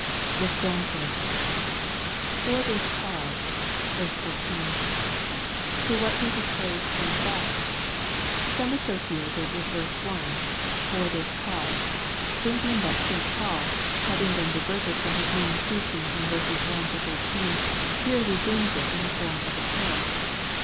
The Standpoint. " For this cause " (ver. 14). To what does this phrase point back ? Some associate it with verse i, " For this cause," thinking that St. Paul, having been diverted from his main teaching in verses 1 13, here resumes it in the form of a prayer.